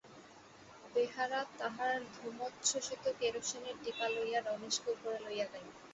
বেহারা তাহার ধূমোচ্ছ্বসিত কেরোসিনের ডিপা লইয়া রমেশকে উপরে লইয়া গেল।